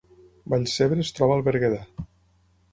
Vallcebre es troba al Berguedà